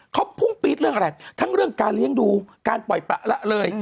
เขาพุ่งปี๊ดเรื่องอะไรทั้งเรื่องการเลี้ยงดูการปล่อยประละเลย